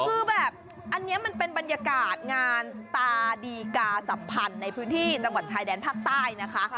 คือแบบอันนี้มันเป็นบรรยากาศงานตาดีกาสัมพันธ์ในพื้นที่จังหวัดชายแดนภาคใต้นะคะ